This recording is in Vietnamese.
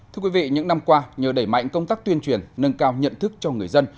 thưa quý vị những năm qua nhờ đẩy mạnh công tác tuyên truyền nâng cao nhận thức cho người dân